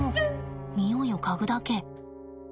匂いを嗅ぐだけ。